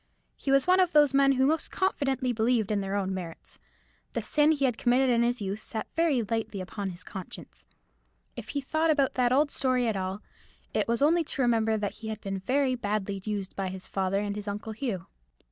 He was one of those men who most confidently believe in their own merits. The sin he had committed in his youth sat very lightly upon his conscience. If he thought about that old story at all, it was only to remember that he had been very badly used by his father and his Uncle Hugh.